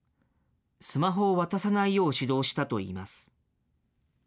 スマホを渡さないよう指導したといいます。